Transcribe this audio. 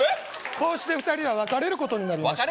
こうして２人は別れることになりました